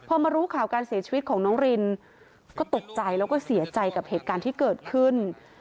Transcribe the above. พอมารู้ข่าวการเสียชีวิตของน้องรินก็ตกใจแล้วก็เสียใจกับเหตุการณ์ที่เกิดขึ้น